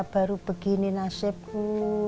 baru begini nasibku